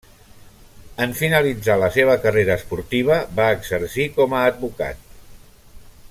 En finalitzar la seva carrera esportiva va exercir com a advocat.